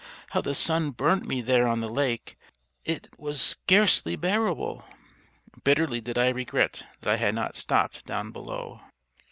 how the sun burnt me there on the lake I It was scarcely bearable. Bitterly did I regret that I had not stopped down below."